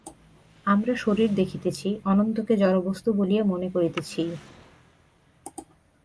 আমরা শরীর দেখিতেছি, অনন্তকে জড়বস্তু বলিয়া মনে করিতেছি।